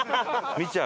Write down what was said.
見ちゃう。